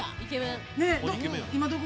今どこ。